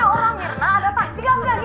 ada orang gimana kita semua disini orang